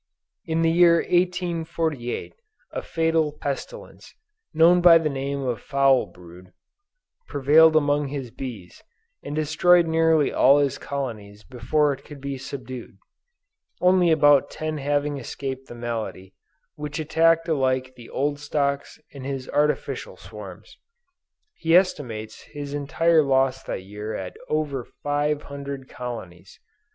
In the year 1848, a fatal pestilence, known by the name of "foul brood," prevailed among his bees, and destroyed nearly all his colonies before it could be subdued only about ten having escaped the malady, which attacked alike the old stocks and his artificial swarms. He estimates his entire loss that year at over 500 colonies.